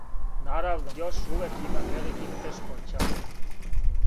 Наравно, још увек има великих тешкоћа.